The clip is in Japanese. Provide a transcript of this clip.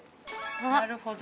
なるほど。